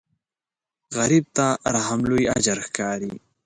غریب ته رحم لوی اجر ښکاري